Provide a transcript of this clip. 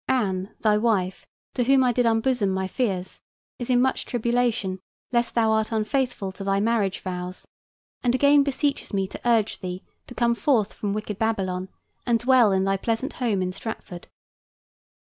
Anne, thy wife, to whom I did unbosom my fears, is in much tribulation lest thou art unfaithful to thy marriage vows, and again beseeches me to urge thee to come forth from wicked Babylon and dwell in thy pleasant home in Stratford.